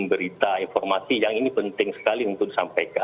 tapi kita sudah selesai mencari pengguna saham untuk mengirimkan timnya